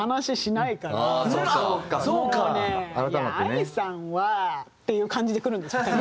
もうね「いやＡＩさんは」っていう感じでくるんですよ。